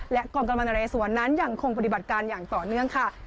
และกองกำลังนเรสวนนั้นยังคงปฏิบัติการอย่างต่อเนื่องค่ะ